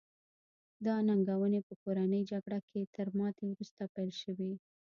دا ننګونې په کورنۍ جګړه کې تر ماتې وروسته پیل شوې.